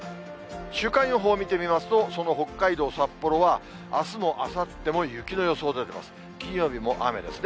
週間予報を見てみますと、その北海道札幌は、あすもあさっても雪の予想出てます。